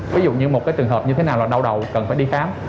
ví dụ như một cái trường hợp như thế nào là đau đầu cần phải đi khám